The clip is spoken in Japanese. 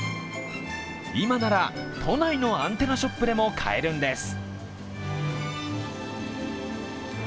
今なら都内のアンテナショップでも買えるんです。